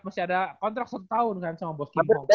masih ada kontrak satu tahun kan sama bokimo